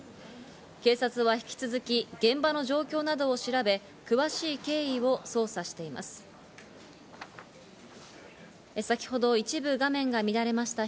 警察は引き続き現場の状況などを調べ、詳しい経緯を捜査していま先ほど一部画面が乱れました。